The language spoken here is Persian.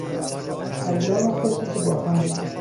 ایام خوشی که با هم بودیم